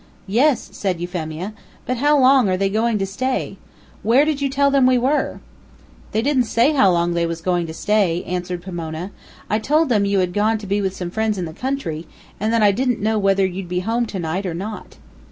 "Yes," said Euphemia; "but how long are they going to stay? Where did you tell them we were?" "They didn't say how long they was goin' to stay," answered Pomona. "I told them you had gone to be with some friends in the country, and that I didn't know whether you'd be home to night or not."